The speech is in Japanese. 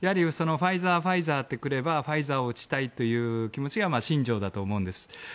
ファイザー、ファイザーと来ればファイザーを打ちたいという気持ちが心情だと思うんです。